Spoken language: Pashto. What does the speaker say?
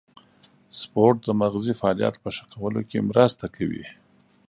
سپورت د مغزي فعالیت په ښه کولو کې مرسته کوي.